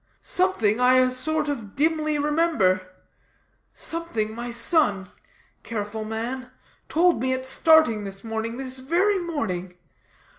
Something I a sort of dimly remember. Something, my son careful man told me at starting this morning, this very morning.